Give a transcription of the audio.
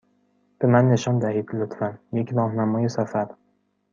به من نشان دهید، لطفا، یک راهنمای سفر.